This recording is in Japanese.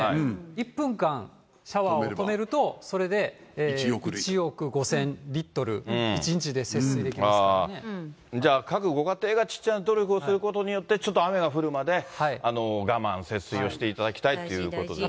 １分間シャワーを止めると、それで１億５０００リットル、１日で節水できますからじゃあ、各ご家庭がちっちゃな努力をすることによって、ちょっと雨が降るまで我慢、節水をしていただきたいということですよね。